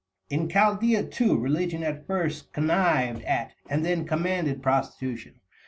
In Chaldæa, too, religion at first connived at, and then commanded prostitution.